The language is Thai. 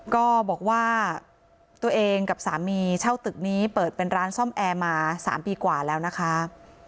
ก็บอกว่าตัวเองกับสามีเช่าตึกนี้เปิดเป็นร้านซ่อมแอร์มา๓ปีกว่าแล้วนะคะ